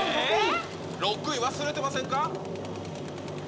６位、忘れてませんか？